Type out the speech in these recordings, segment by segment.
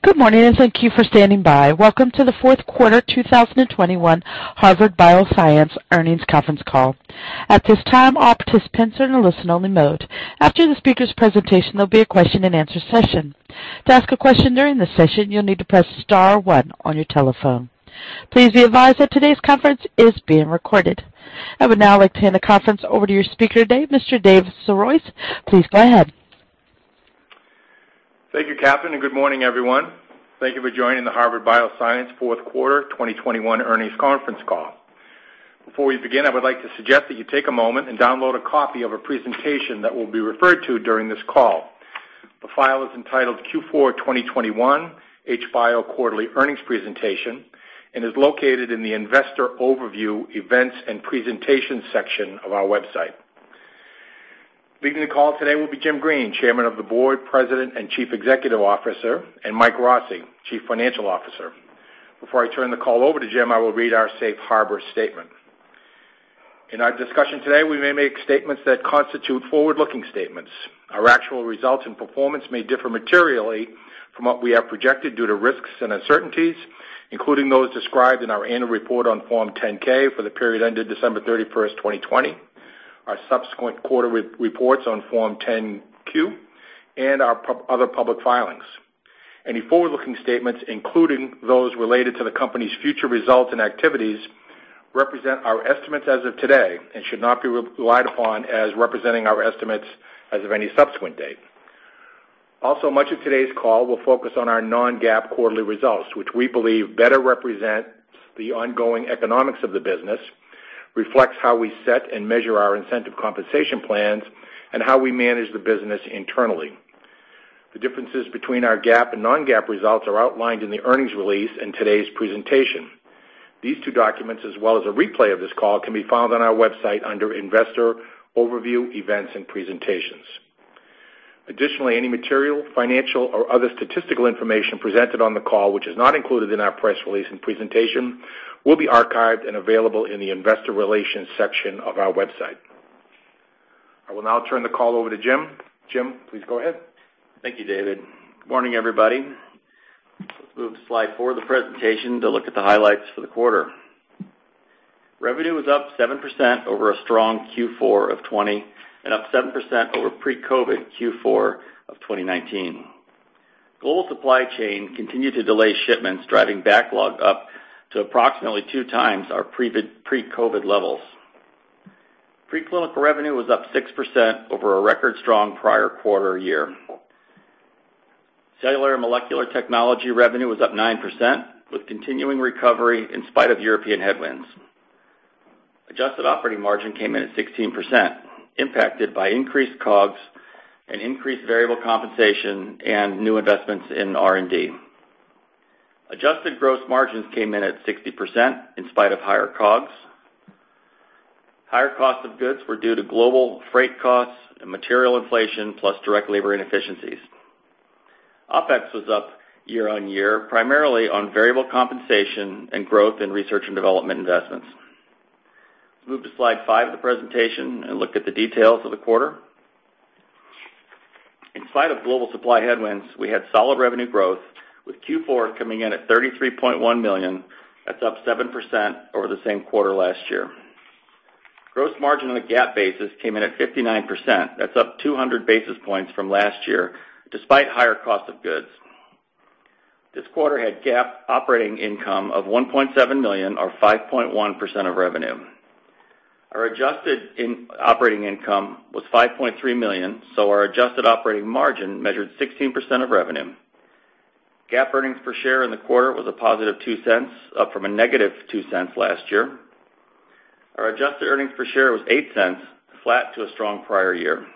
Good morning, and thank you for standing by. Welcome to the fourth quarter 2021 Harvard Bioscience earnings conference call. At this time, all participants are in a listen-only mode. After the speaker's presentation, there'll be a question-and-answer session. To ask a question during the session, you'll need to press star one on your telephone. Please be advised that today's conference is being recorded. I would now like to hand the conference over to your speaker today, Mr. David Sirois. Please go ahead. Thank you, Catherine, and good morning, everyone. Thank you for joining the Harvard Bioscience fourth quarter 2021 earnings conference call. Before we begin, I would like to suggest that you take a moment and download a copy of a presentation that will be referred to during this call. The file is entitled Q4 2021 HBio Quarterly Earnings Presentation and is located in the Investor Overview Events and Presentation section of our website. Leading the call today will be Jim Green, Chairman of the Board, President and Chief Executive Officer, and Mike Rossi, Chief Financial Officer. Before I turn the call over to Jim, I will read our safe harbor statement. In our discussion today, we may make statements that constitute forward-looking statements. Our actual results and performance may differ materially from what we have projected due to risks and uncertainties, including those described in our annual report on Form 10-K for the period ended December 31, 2020, our subsequent quarterly reports on Form 10-Q, and our other public filings. Any forward-looking statements, including those related to the company's future results and activities, represent our estimates as of today and should not be relied upon as representing our estimates as of any subsequent date. Also, much of today's call will focus on our non-GAAP quarterly results, which we believe better represents the ongoing economics of the business, reflects how we set and measure our incentive compensation plans, and how we manage the business internally. The differences between our GAAP and non-GAAP results are outlined in the earnings release in today's presentation. These two documents, as well as a replay of this call, can be found on our website under Investor Overview, Events and Presentations. Additionally, any material, financial or other statistical information presented on the call which is not included in our press release and presentation will be archived and available in the Investor Relations section of our website. I will now turn the call over to Jim. Jim, please go ahead. Thank you, David. Good morning, everybody. Let's move to slide four of the presentation to look at the highlights for the quarter. Revenue was up 7% over a strong Q4 of 2020 and up 7% over pre-COVID Q4 of 2019. Global supply chain continued to delay shipments, driving backlog up to approximately 2x our pre-COVID levels. Preclinical revenue was up 6% over a record strong prior quarter, year-over-year. Cellular and molecular technology revenue was up 9%, with continuing recovery in spite of European headwinds. Adjusted operating margin came in at 16%, impacted by increased COGS and increased variable compensation and new investments in R&D. Adjusted gross margins came in at 60% in spite of higher COGS. Higher costs of goods were due to global freight costs and material inflation, plus direct labor inefficiencies. OpEx was up year-over-year, primarily on variable compensation and growth in research and development investments. Let's move to slide five of the presentation and look at the details of the quarter. In spite of global supply headwinds, we had solid revenue growth, with Q4 coming in at $33.1 million. That's up 7% over the same quarter last year. Gross margin on a GAAP basis came in at 59%. That's up 200 basis points from last year, despite higher cost of goods. This quarter had GAAP operating income of $1.7 million, or 5.1% of revenue. Our adjusted operating income was $5.3 million, so our adjusted operating margin measured 16% of revenue. GAAP earnings per share in the quarter was a positive $0.02, up from a negative $0.02 last year. Our adjusted earnings per share was $0.08, flat to a strong prior year.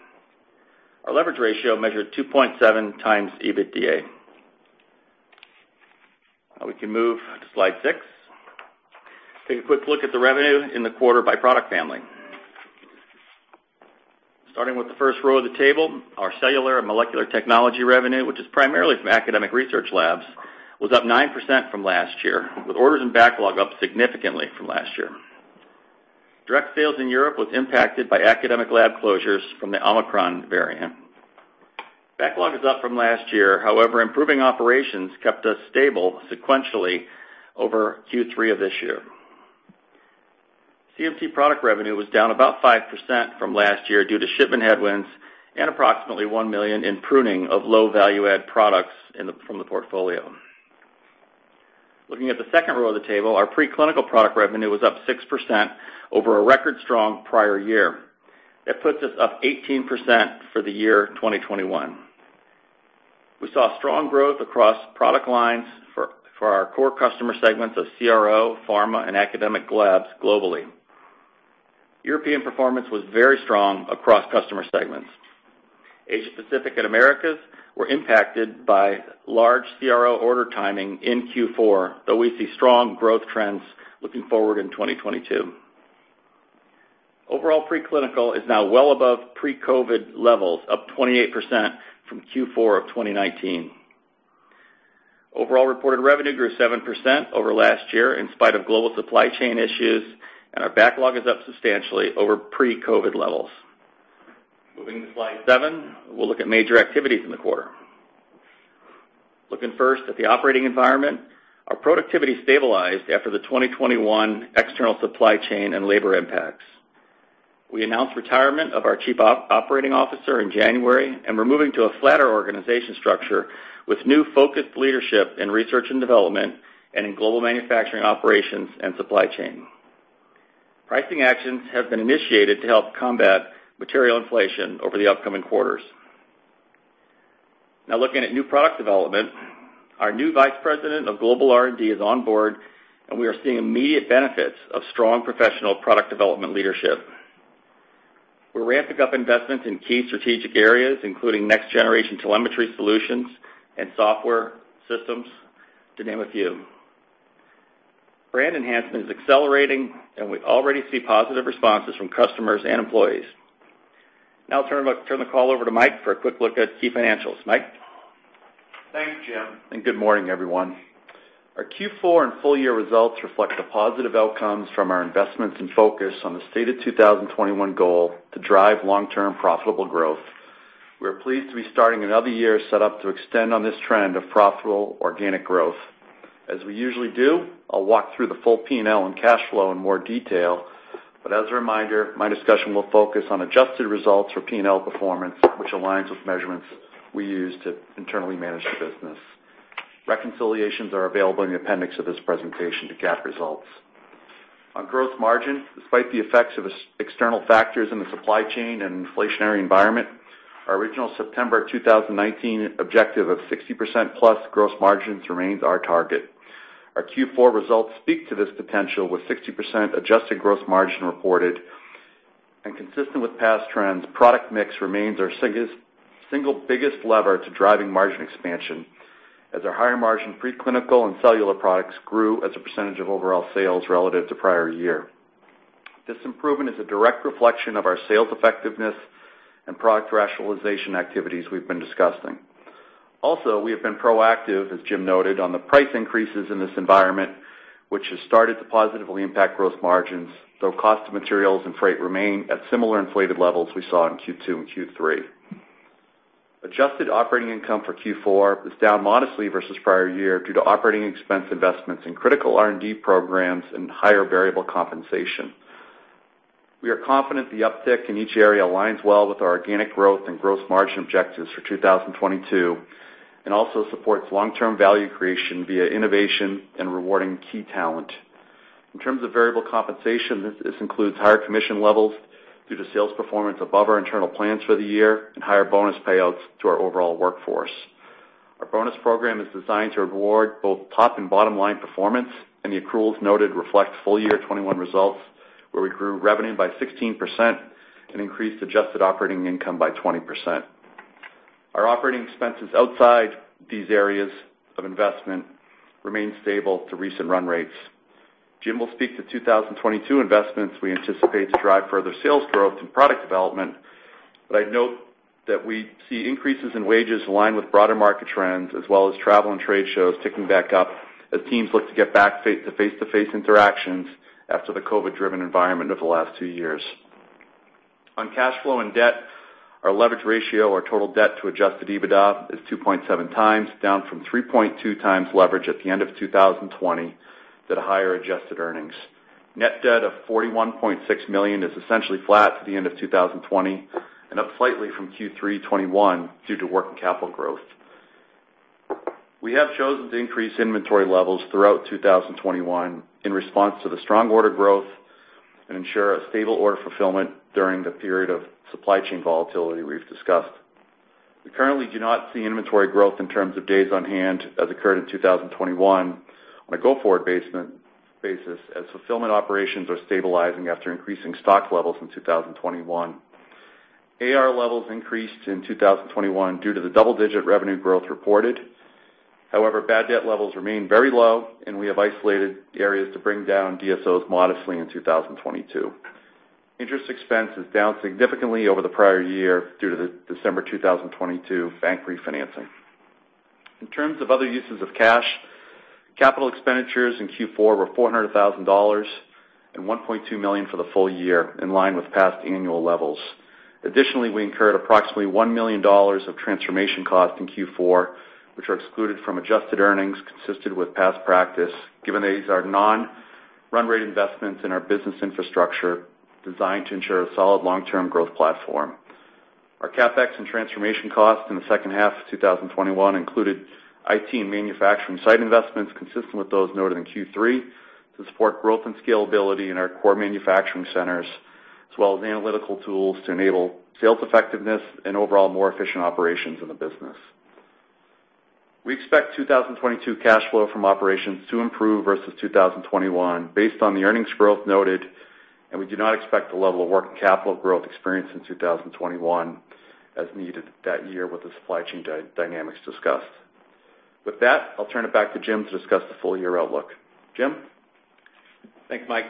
Our leverage ratio measured 2.7x EBITDA. Now we can move to slide six. Take a quick look at the revenue in the quarter by product family. Starting with the first row of the table, our cellular and molecular technology revenue, which is primarily from academic research labs, was up 9% from last year, with orders and backlog up significantly from last year. Direct sales in Europe was impacted by academic lab closures from the Omicron variant. Backlog is up from last year. However, improving operations kept us stable sequentially over Q3 of this year. CMT product revenue was down about 5% from last year due to shipment headwinds and approximately $1 million in pruning of low value add products from the portfolio. Looking at the second row of the table, our preclinical product revenue was up 6% over a record strong prior year. That puts us up 18% for the year 2021. We saw strong growth across product lines for our core customer segments of CRO, pharma and academic labs globally. European performance was very strong across customer segments. Asia-Pacific and Americas were impacted by large CRO order timing in Q4, though we see strong growth trends looking forward in 2022. Overall, preclinical is now well above pre-COVID levels, up 28% from Q4 of 2019. Overall reported revenue grew 7% over last year in spite of global supply chain issues, and our backlog is up substantially over pre-COVID levels. Moving to slide seven, we'll look at major activities in the quarter. Looking first at the operating environment, our productivity stabilized after the 2021 external supply chain and labor impacts. We announced retirement of our Chief Operating Officer in January, and we're moving to a flatter organization structure with new focused leadership in research and development and in global manufacturing operations and supply chain. Pricing actions have been initiated to help combat material inflation over the upcoming quarters. Now looking at new product development, our new Vice President of global R&D is on board, and we are seeing immediate benefits of strong professional product development leadership. We're ramping up investments in key strategic areas, including next-generation telemetry solutions and software systems, to name a few. Brand enhancement is accelerating, and we already see positive responses from customers and employees. Now I'll turn the call over to Mike for a quick look at key financials. Mike? Thank you, Jim, and good morning, everyone. Our Q4 and full year results reflect the positive outcomes from our investments and focus on the stated 2021 goal to drive long-term profitable growth. We are pleased to be starting another year set up to extend on this trend of profitable organic growth. As we usually do, I'll walk through the full P&L and cash flow in more detail. As a reminder, my discussion will focus on adjusted results for P&L performance, which aligns with measurements we use to internally manage the business. Reconciliations are available in the appendix of this presentation to GAAP results. On gross margin, despite the effects of external factors in the supply chain and inflationary environment, our original September 2019 objective of 60%+ gross margins remains our target. Our Q4 results speak to this potential, with 60% adjusted gross margin reported. Consistent with past trends, product mix remains our single biggest lever to driving margin expansion, as our higher-margin preclinical and cellular products grew as a percentage of overall sales relative to prior year. This improvement is a direct reflection of our sales effectiveness and product rationalization activities we've been discussing. Also, we have been proactive, as Jim noted, on the price increases in this environment, which has started to positively impact gross margins, though cost of materials and freight remain at similar inflated levels we saw in Q2 and Q3. Adjusted operating income for Q4 was down modestly versus prior year due to operating expense investments in critical R&D programs and higher variable compensation. We are confident the uptick in each area aligns well with our organic growth and gross margin objectives for 2022 and also supports long-term value creation via innovation and rewarding key talent. In terms of variable compensation, this includes higher commission levels due to sales performance above our internal plans for the year and higher bonus payouts to our overall workforce. Our bonus program is designed to reward both top and bottom-line performance, and the accruals noted reflect full-year 2021 results, where we grew revenue by 16% and increased adjusted operating income by 20%. Our operating expenses outside these areas of investment remain stable to recent run rates. Jim will speak to 2022 investments we anticipate to drive further sales growth and product development, but I'd note that we see increases in wages aligned with broader market trends as well as travel and trade shows ticking back up as teams look to get back face-to-face interactions after the COVID-driven environment of the last two years. On cash flow and debt, our leverage ratio or total debt to adjusted EBITDA is 2.7x, down from 3.2x leverage at the end of 2020 to the higher adjusted earnings. Net debt of $41.6 million is essentially flat to the end of 2020 and up slightly from Q3 2021 due to working capital growth. We have chosen to increase inventory levels throughout 2021 in response to the strong order growth and ensure a stable order fulfillment during the period of supply chain volatility we've discussed. We currently do not see inventory growth in terms of days on hand as occurred in 2021 on a go-forward basis, as fulfillment operations are stabilizing after increasing stock levels in 2021. AR levels increased in 2021 due to the double-digit revenue growth reported. However, bad debt levels remain very low, and we have isolated areas to bring down DSOs modestly in 2022. Interest expense is down significantly over the prior year due to the December 2022 bank refinancing. In terms of other uses of cash, capital expenditures in Q4 were $400,000 and $1.2 million for the full year, in line with past annual levels. Additionally, we incurred approximately $1 million of transformation costs in Q4, which are excluded from adjusted earnings consistent with past practice, given these are non-run rate investments in our business infrastructure designed to ensure a solid long-term growth platform. Our CapEx and transformation costs in the second half of 2021 included IT and manufacturing site investments consistent with those noted in Q3 to support growth and scalability in our core manufacturing centers, as well as analytical tools to enable sales effectiveness and overall more efficient operations in the business. We expect 2022 cash flow from operations to improve versus 2021 based on the earnings growth noted, and we do not expect the level of working capital growth experienced in 2021 as needed that year with the supply chain dynamics discussed. With that, I'll turn it back to Jim to discuss the full year outlook. Jim? Thanks, Mike.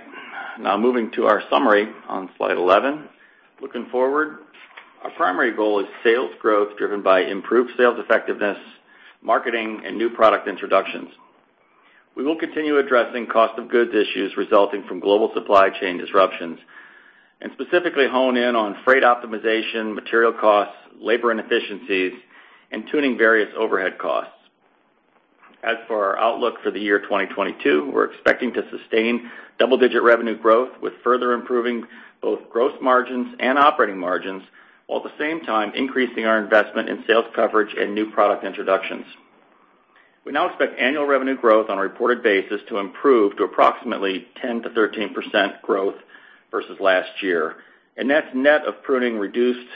Now moving to our summary on slide 11. Looking forward, our primary goal is sales growth driven by improved sales effectiveness, marketing, and new product introductions. We will continue addressing cost of goods issues resulting from global supply chain disruptions and specifically hone in on freight optimization, material costs, labor inefficiencies, and tuning various overhead costs. As for our outlook for the year 2022, we're expecting to sustain double-digit revenue growth with further improving both gross margins and operating margins, while at the same time increasing our investment in sales coverage and new product introductions. We now expect annual revenue growth on a reported basis to improve to approximately 10%-13% growth versus last year, and that's net of pruning reduced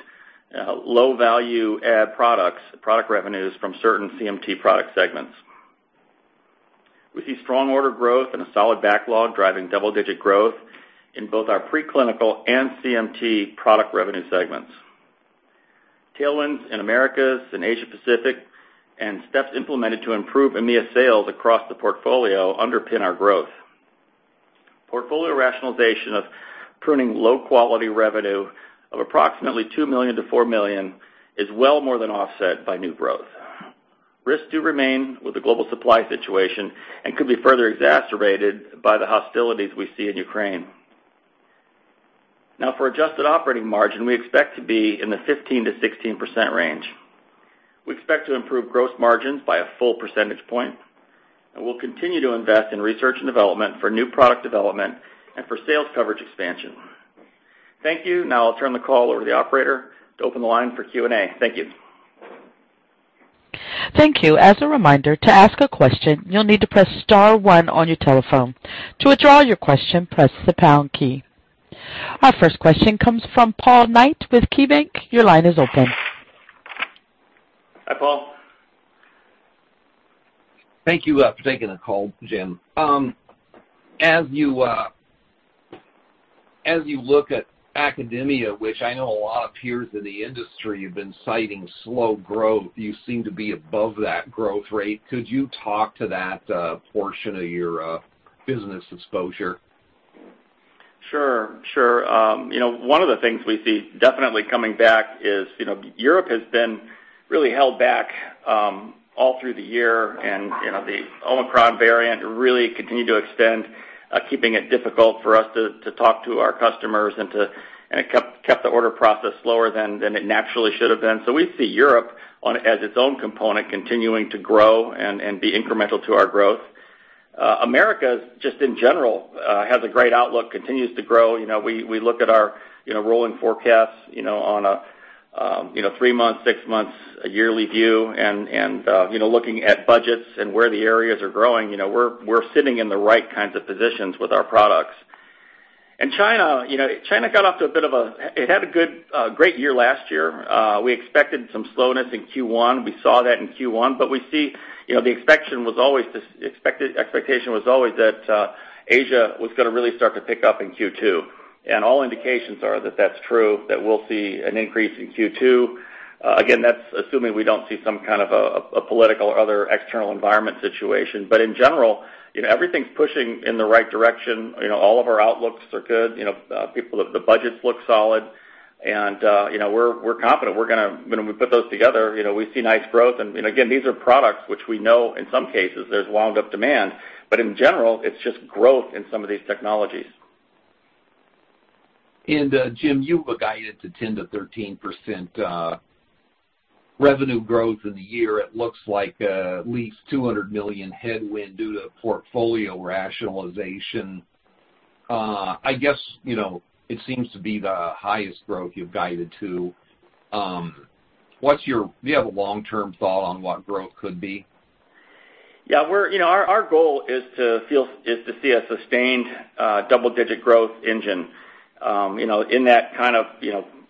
low value add products, product revenues from certain CMT product segments. We see strong order growth and a solid backlog driving double-digit growth in both our preclinical and CMT product revenue segments. Tailwinds in Americas and Asia Pacific, and steps implemented to improve EMEA sales across the portfolio underpin our growth. Portfolio rationalization of pruning low quality revenue of approximately $2 million-$4 million is well more than offset by new growth. Risks do remain with the global supply situation and could be further exacerbated by the hostilities we see in Ukraine. Now, for adjusted operating margin, we expect to be in the 15%-16% range. We expect to improve gross margins by a full percentage point, and we'll continue to invest in research and development for new product development and for sales coverage expansion. Thank you. Now, I'll turn the call over to the operator to open the line for Q&A. Thank you. Thank you. As a reminder, to ask a question, you'll need to press star one on your telephone. To withdraw your question, press the pound key. Our first question comes from Paul Knight with KeyBanc. Your line is open. Hi, Paul. Thank you for taking the call, Jim. As you look at academia, which I know a lot of peers in the industry have been citing slow growth, you seem to be above that growth rate. Could you talk to that portion of your business exposure? Sure, sure. You know, one of the things we see definitely coming back is, you know, Europe has been really held back all through the year. You know, the Omicron variant really continued to extend, keeping it difficult for us to talk to our customers. It kept the order process slower than it naturally should have been. We see Europe as its own component, continuing to grow and be incremental to our growth. Americas, just in general, has a great outlook, continues to grow. You know, we look at our you know rolling forecasts you know on a three months six months a yearly view and looking at budgets and where the areas are growing you know we're sitting in the right kinds of positions with our products. China you know got off to a bit of a. It had a great year last year. We expected some slowness in Q1. We saw that in Q1, but we see. You know, the expectation was always that Asia was gonna really start to pick up in Q2. All indications are that that's true, that we'll see an increase in Q2. Again, that's assuming we don't see some kind of a political or other external environment situation. In general, you know, everything's pushing in the right direction. You know, all of our outlooks are good. You know, people, the budgets look solid. You know, we're confident. When we put those together, you know, we see nice growth. Again, these are products which we know, in some cases, there's wound up demand. In general, it's just growth in some of these technologies. Jim, you've guided to 10%-13% revenue growth in the year. It looks like at least $200 million headwind due to portfolio rationalization. I guess, you know, it seems to be the highest growth you've guided to. Do you have a long-term thought on what growth could be? Yeah. You know, our goal is to see a sustained double-digit growth engine, you know, in that kind of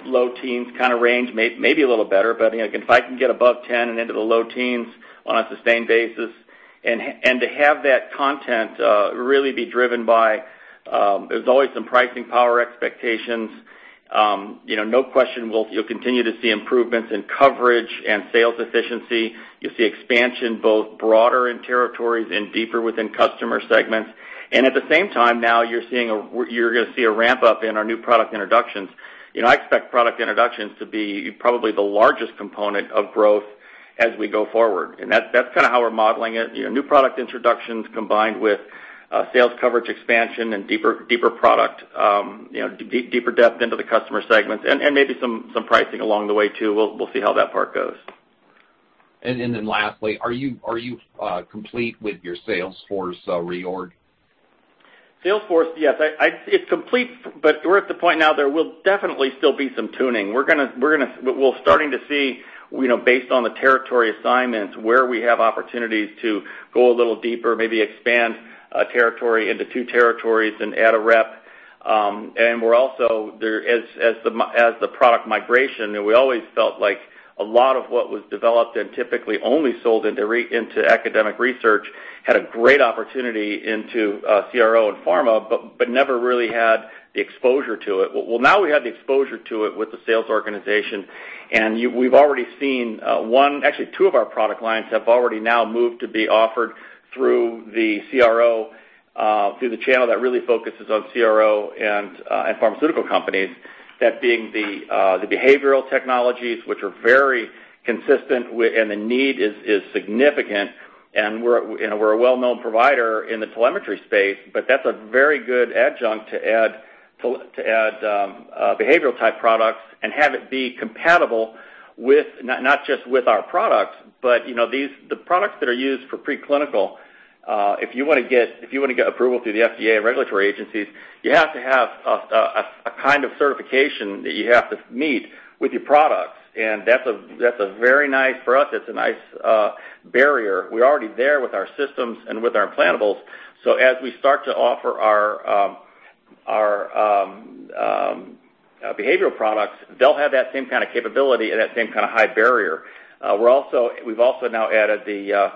low teens kinda range, maybe a little better. You know, again, if I can get above 10 and into the low teens on a sustained basis, and to have that content really be driven by, there's always some pricing power expectations. You know, no question, you'll continue to see improvements in coverage and sales efficiency. You'll see expansion both broader in territories and deeper within customer segments. At the same time now, you're gonna see a ramp-up in our new product introductions. You know, I expect product introductions to be probably the largest component of growth as we go forward, and that's kinda how we're modeling it. You know, new product introductions combined with sales coverage expansion and deeper product, you know, deeper depth into the customer segments and maybe some pricing along the way too. We'll see how that part goes. Then lastly, are you complete with your sales force reorg? Sales force, yes. It's complete, but we're at the point now there will definitely still be some tuning. We're starting to see, you know, based on the territory assignments, where we have opportunities to go a little deeper, maybe expand a territory into two territories and add a rep. We're also there as the product migration. We always felt like a lot of what was developed and typically only sold into academic research had a great opportunity into CRO and pharma, but never really had the exposure to it. Well, now we have the exposure to it with the sales organization. We've already seen, actually two of our product lines have already now moved to be offered through the CRO, through the channel that really focuses on CRO and pharmaceutical companies, that being the behavioral technologies, which are very consistent with, and the need is significant, and we're, you know, we're a well-known provider in the telemetry space, but that's a very good adjunct to add behavioral type products and have it be compatible with, not just with our products, but, you know, these, the products that are used for preclinical, if you wanna get approval through the FDA and regulatory agencies, you have to have a kind of certification that you have to meet with your products. That's a very nice barrier for us. We're already there with our systems and with our implantables, so as we start to offer our behavioral products, they'll have that same kind of capability and that same kind of high barrier. We've also now added the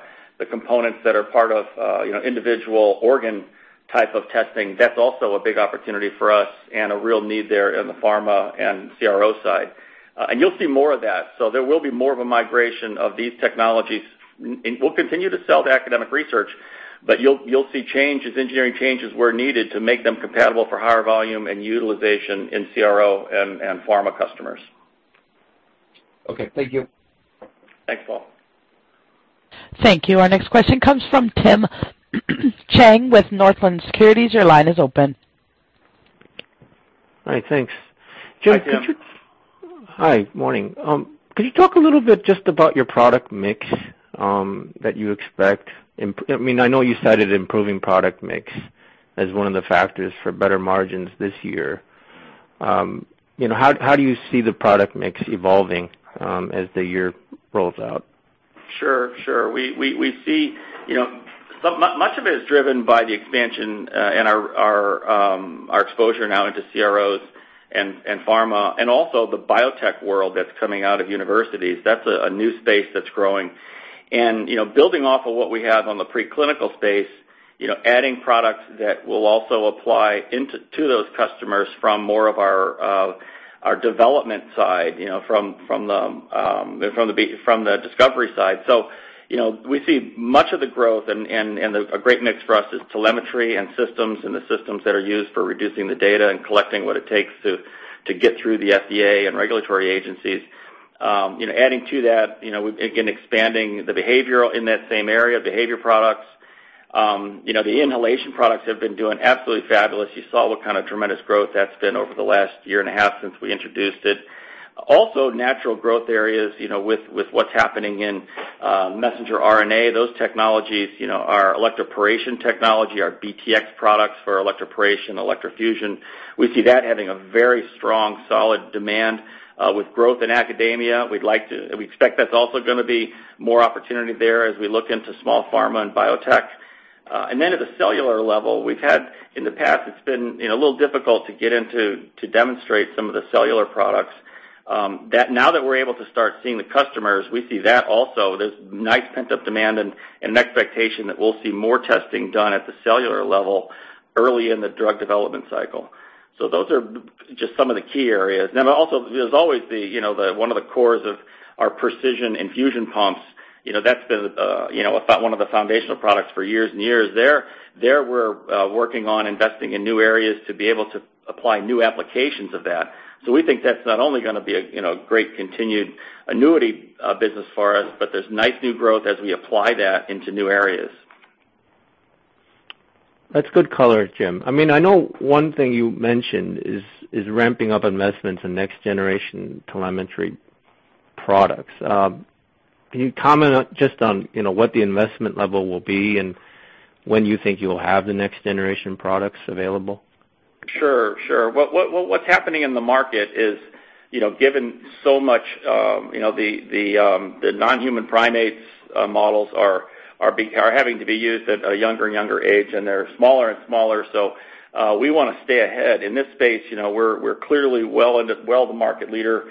components that are part of you know, individual organ type of testing. That's also a big opportunity for us and a real need there in the pharma and CRO side. You'll see more of that. There will be more of a migration of these technologies. We'll continue to sell to academic research, but you'll see changes, engineering changes where needed to make them compatible for higher volume and utilization in CRO and pharma customers. Okay. Thank you. Thanks, Paul. Thank you. Our next question comes from Tim Chiang with Northland Securities. Your line is open. Hi. Thanks. Hi, Tim. Jim, could you talk a little bit just about your product mix that you expect? I mean, I know you cited improving product mix as one of the factors for better margins this year. You know, how do you see the product mix evolving as the year rolls out? Sure. We see, you know, so much of it is driven by the expansion and our exposure now into CROs and pharma, and also the biotech world that's coming out of universities. That's a new space that's growing. You know, building off of what we have on the preclinical space, adding products that will also apply to those customers from more of our development side, you know, from the discovery side. You know, we see much of the growth and a great mix for us is telemetry and systems, and the systems that are used for reducing the data and collecting what it takes to get through the FDA and regulatory agencies. You know, adding to that, you know, again, expanding the behavioral in that same area, behavior products. You know, the inhalation products have been doing absolutely fabulous. You saw what kind of tremendous growth that's been over the last year and a half since we introduced it. Also, natural growth areas, you know, with what's happening in messenger RNA, those technologies, you know, our electroporation technology, our BTX products for electroporation, electrofusion. We see that having a very strong, solid demand with growth in academia. We expect that's also gonna be more opportunity there as we look into small pharma and biotech. Then at the cellular level, we've had, in the past, it's been, you know, a little difficult to get into to demonstrate some of the cellular products. That now that we're able to start seeing the customers, we see that also. There's nice pent-up demand and expectation that we'll see more testing done at the cellular level early in the drug development cycle. Those are just some of the key areas. Now, also, there's always the, you know, the, one of the cores of our precision infusion pumps, you know, that's been, you know, one of the foundational products for years and years. There we're working on investing in new areas to be able to apply new applications of that. We think that's not only gonna be a, you know, great continued annuity, business for us, but there's nice new growth as we apply that into new areas. That's good color, Jim. I mean, I know one thing you mentioned is ramping up investments in next-generation telemetry products. Can you comment on, just on, you know, what the investment level will be and when you think you'll have the next-generation products available? Sure. What's happening in the market is, you know, given so much, you know, the non-human primates models are having to be used at a younger and younger age, and they're smaller and smaller, so we wanna stay ahead. In this space, you know, we're clearly the market leader.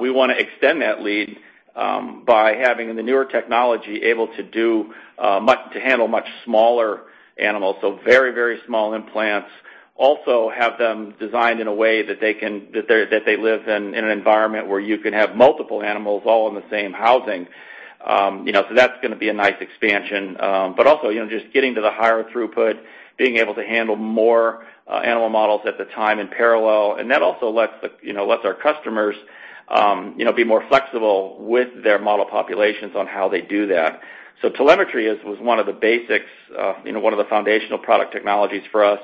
We wanna extend that lead by having the newer technology able to handle much smaller animals, so very small implants. Also have them designed in a way that they live in an environment where you can have multiple animals all in the same housing. You know, so that's gonna be a nice expansion. Also, you know, just getting to the higher throughput, being able to handle more animal models at the time in parallel, and that also lets, you know, our customers be more flexible with their model populations on how they do that. Telemetry was one of the basics, you know, one of the foundational product technologies for us.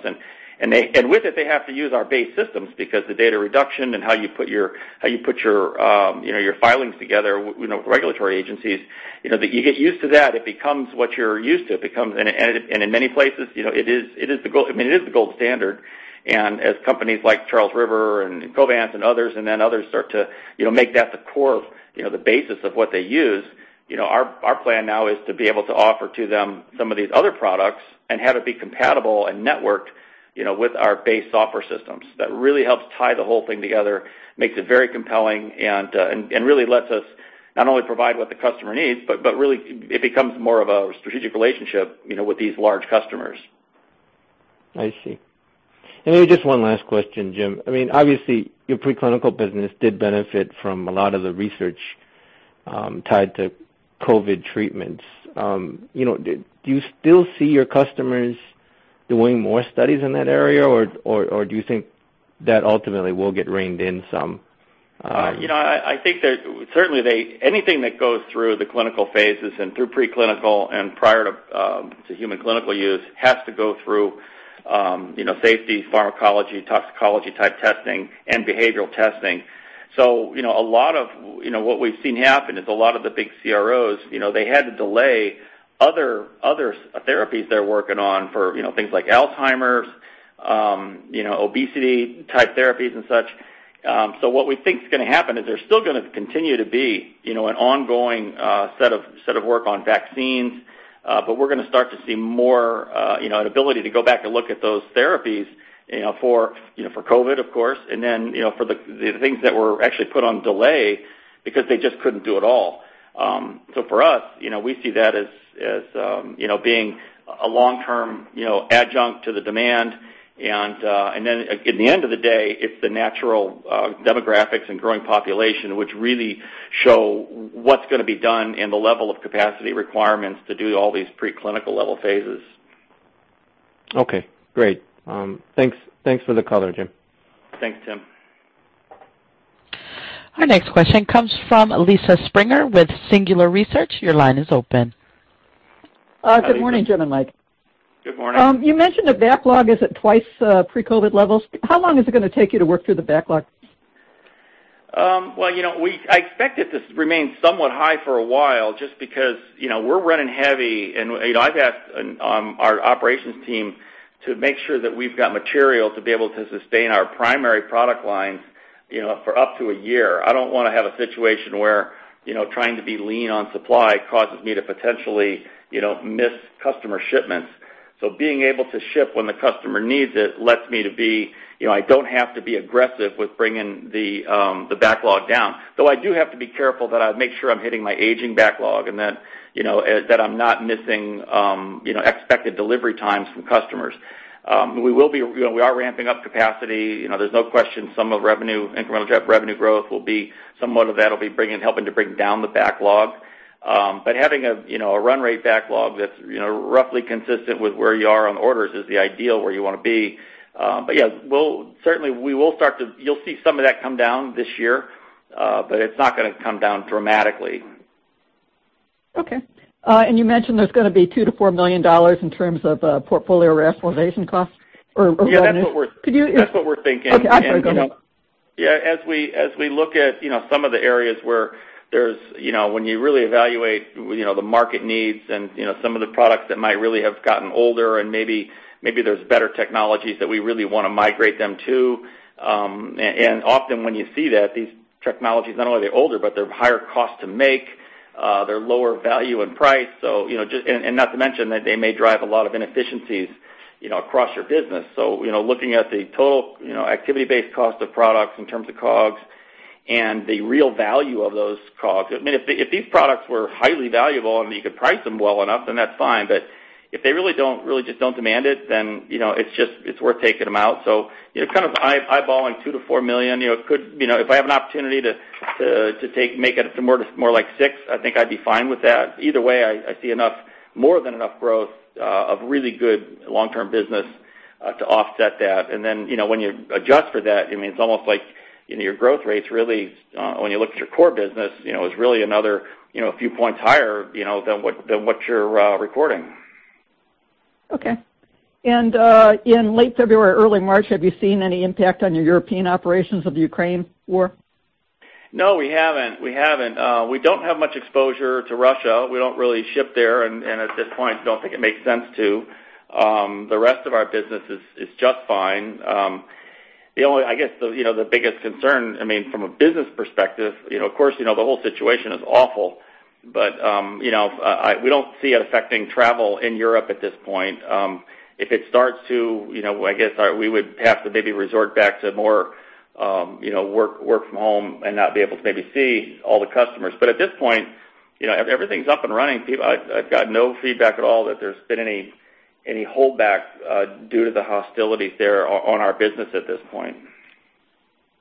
With it, they have to use our base systems because the data reduction and how you put your filings together, you know, regulatory agencies, you know, you get used to that, it becomes what you're used to. It becomes the gold standard in many places, you know. I mean, it is the gold standard. As companies like Charles River and Covance and others start to, you know, make that the core of, you know, the basis of what they use, you know, our plan now is to be able to offer to them some of these other products and have it be compatible and networked, you know, with our base software systems. That really helps tie the whole thing together, makes it very compelling and really lets us not only provide what the customer needs, but really it becomes more of a strategic relationship, you know, with these large customers. I see. Then just one last question, Jim. I mean, obviously, your preclinical business did benefit from a lot of the research tied to COVID treatments. You know, do you still see your customers doing more studies in that area, or do you think that ultimately will get reined in some? You know, I think that certainly anything that goes through the clinical phases and through preclinical and prior to human clinical use has to go through, you know, safety, pharmacology, toxicology type testing and behavioral testing. You know, a lot of, you know, what we've seen happen is a lot of the big CROs, you know, they had to delay other therapies they're working on for, you know, things like Alzheimer's, you know, obesity type therapies and such. What we think is gonna happen is there's still gonna continue to be, you know, an ongoing set of work on vaccines, but we're gonna start to see more, you know, an ability to go back and look at those therapies, you know, for you know for COVID, of course, and then, you know, for the things that were actually put on delay because they just couldn't do it all. For us, you know, we see that as being a long-term, you know, adjunct to the demand. And then at the end of the day, it's the natural demographics and growing population which really show what's gonna be done and the level of capacity requirements to do all these preclinical level phases. Okay, great. Thanks for the color, Jim. Thanks, Tim. Our next question comes from Lisa Springer with Singular Research. Your line is open. Good morning, Jim and Mike. Good morning. You mentioned the backlog is at twice pre-COVID levels. How long is it gonna take you to work through the backlog? Well, you know, I expect it to remain somewhat high for a while just because, you know, we're running heavy and, you know, I've asked our operations team to make sure that we've got material to be able to sustain our primary product lines, you know, for up to a year. I don't wanna have a situation where, you know, trying to be lean on supply causes me to potentially, you know, miss customer shipments. So being able to ship when the customer needs it lets me to be, you know, I don't have to be aggressive with bringing the backlog down. Though I do have to be careful that I make sure I'm hitting my aging backlog and that, you know, that I'm not missing, you know, expected delivery times from customers. You know, we are ramping up capacity. You know, there's no question some of revenue, incremental revenue growth will be helping to bring down the backlog. But having a, you know, a run rate backlog that's, you know, roughly consistent with where you are on orders is the ideal where you wanna be. But yes, we'll certainly. You'll see some of that come down this year, but it's not gonna come down dramatically. Okay. You mentioned there's gonna be $2 million-$4 million in terms of portfolio rationalization costs or revenues. Yeah, that's what we're. Could you- That's what we're thinking. Okay. I'm sorry. Go ahead. You know, yeah, as we look at some of the areas where there's when you really evaluate the market needs and some of the products that might really have gotten older and maybe there's better technologies that we really wanna migrate them to, and often when you see that, these technologies, not only are they older, but they're higher cost to make, they're lower value and price. You know, just not to mention that they may drive a lot of inefficiencies, you know, across your business. You know, looking at the total activity-based cost of products in terms of COGS and the real value of those COGS. I mean, if these products were highly valuable and you could price them well enough, then that's fine. If they really just don't demand it, then, you know, it's just, it's worth taking them out. You know, kind of eyeballing $2 million-$4 million, you know, could, you know, if I have an opportunity to make it more like $6 million, I think I'd be fine with that. Either way, I see enough, more than enough growth of really good long-term business to offset that. Then, you know, when you adjust for that, I mean, it's almost like, you know, your growth rates really, when you look at your core business, you know, is really another, you know, a few points higher, you know, than what you're reporting. Okay. In late February, early March, have you seen any impact on your European operations of the Ukraine war? No, we haven't. We don't have much exposure to Russia. We don't really ship there, and at this point, don't think it makes sense to. The rest of our business is just fine. I guess the biggest concern, I mean, from a business perspective, you know, of course, you know, the whole situation is awful, but you know, we don't see it affecting travel in Europe at this point. If it starts to, you know, I guess we would have to maybe resort back to more, you know, work from home and not be able to maybe see all the customers. At this point, you know, everything's up and running. I've got no feedback at all that there's been any holdback due to the hostilities there on our business at this point.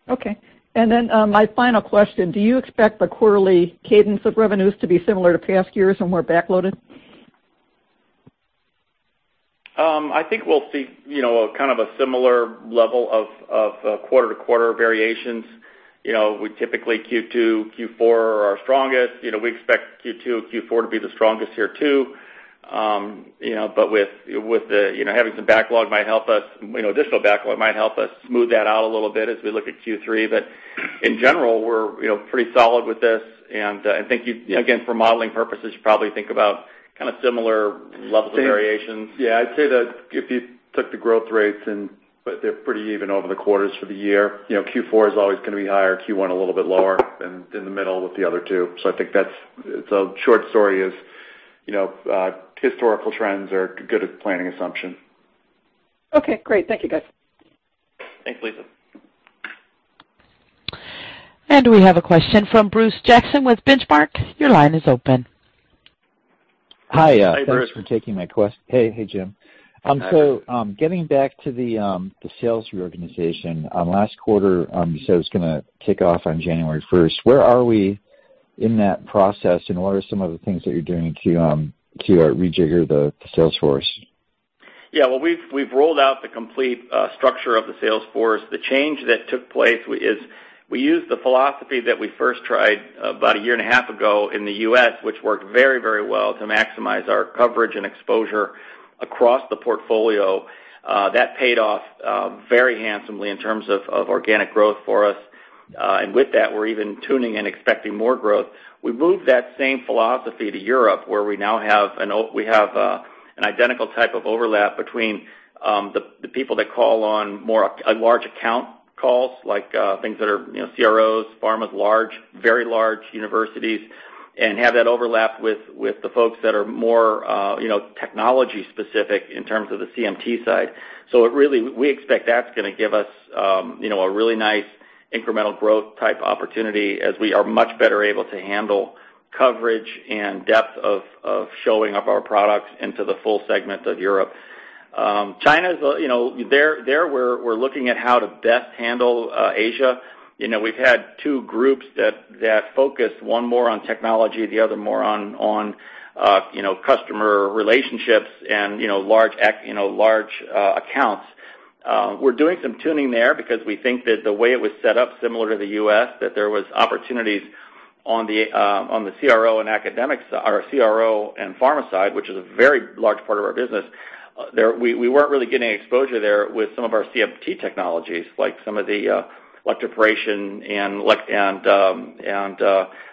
Okay. My final question. Do you expect the quarterly cadence of revenues to be similar to past years and more backloaded? I think we'll see, you know, a kind of a similar level of quarter-to-quarter variations. You know, we typically Q2, Q4 are our strongest. You know, we expect Q2, Q4 to be the strongest here too. You know, but with the, you know, additional backlog might help us smooth that out a little bit as we look at Q3. In general, we're, you know, pretty solid with this. I think you, again, for modeling purposes, you probably think about kind of similar levels of variations. Yeah, I'd say that if you took the growth rates, they're pretty even over the quarters for the year. You know, Q4 is always gonna be higher, Q1 a little bit lower, and in the middle with the other two. I think that's the short story, you know, historical trends are good at planning assumption. Okay, great. Thank you, guys. Thanks, Lisa. We have a question from Bruce Jackson with Benchmark. Your line is open. Hi. Hi, Bruce. Hey, hey, Jim. Getting back to the sales reorganization, last quarter you said it was gonna kick off on January first. Where are we in that process, and what are some of the things that you're doing to rejigger the sales force? Well, we've rolled out the complete structure of the sales force. The change that took place was we used the philosophy that we first tried about a year and a half ago in the U.S., which worked very, very well to maximize our coverage and exposure across the portfolio. That paid off very handsomely in terms of of organic growth for us. With that, we're even tuning and expecting more growth. We moved that same philosophy to Europe, where we now have an identical type of overlap between the people that call on more large account calls, like things that are, you know, CROs, pharmas, large, very large universities, and have that overlap with the folks that are more, you know, technology specific in terms of the CMT side. It really... We expect that's gonna give us, you know, a really nice incremental growth type opportunity as we are much better able to handle coverage and depth of showing up our products into the full segment of Europe. China's, you know. There, we're looking at how to best handle Asia. You know, we've had two groups that focus, one more on technology, the other more on, you know, customer relationships and, you know, large accounts. We're doing some tuning there because we think that the way it was set up, similar to the U.S., that there was opportunities on the CRO and academics, or CRO and pharma side, which is a very large part of our business. We weren't really getting any exposure there with some of our CMT technologies, like some of the electroporation and like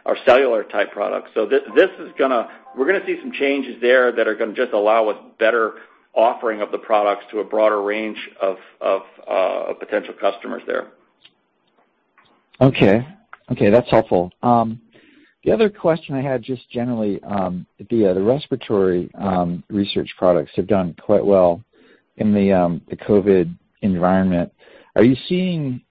our cellular type products. We're gonna see some changes there that are gonna just allow us better offering of the products to a broader range of potential customers there. Okay. Okay, that's helpful. The other question I had just generally via the respiratory research products have done quite well in the COVID environment. Are you seeing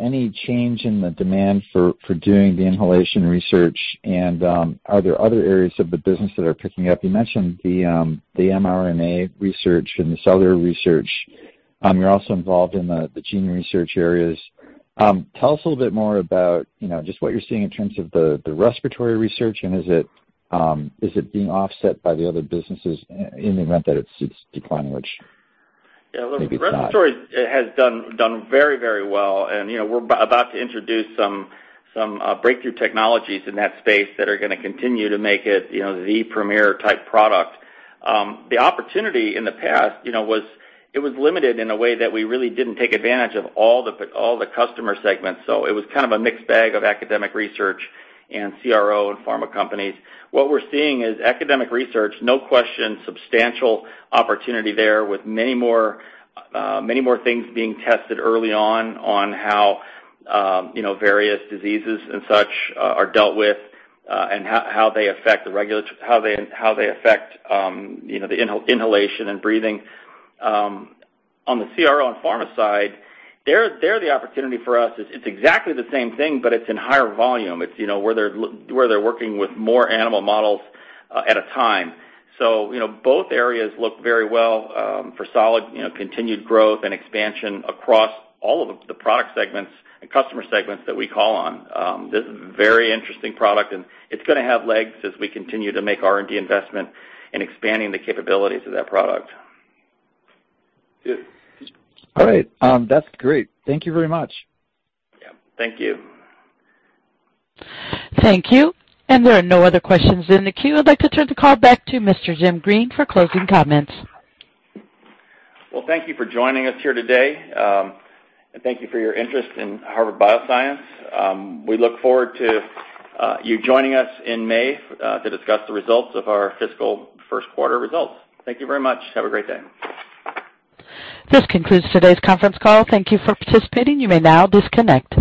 any change in the demand for doing the inhalation research and are there other areas of the business that are picking up? You mentioned the mRNA research and the cellular research. You're also involved in the gene research areas. Tell us a little bit more about, you know, just what you're seeing in terms of the respiratory research and is it being offset by the other businesses in the event that it's declining, which maybe it's not? Yeah. Look, respiratory has done very, very well. You know, we're about to introduce some breakthrough technologies in that space that are gonna continue to make it, you know, the premier type product. The opportunity in the past, you know, was limited in a way that we really didn't take advantage of all the customer segments. It was kind of a mixed bag of academic research and CRO and pharma companies. What we're seeing is academic research, no question, substantial opportunity there with many more things being tested early on how, you know, various diseases and such are dealt with and how they affect, you know, the inhalation and breathing. On the CRO and pharma side, there, the opportunity for us is it's exactly the same thing, but it's in higher volume. It's, you know, where they're working with more animal models at a time. You know, both areas look very well for solid, you know, continued growth and expansion across all of the product segments and customer segments that we call on. This is a very interesting product, and it's gonna have legs as we continue to make R&D investment in expanding the capabilities of that product. All right. That's great. Thank you very much. Yeah. Thank you. Thank you. There are no other questions in the queue. I'd like to turn the call back to Mr. Jim Green for closing comments. Well, thank you for joining us here today, and thank you for your interest in Harvard Bioscience. We look forward to you joining us in May to discuss the results of our fiscal first quarter results. Thank you very much. Have a great day. This concludes today's conference call. Thank you for participating. You may now disconnect.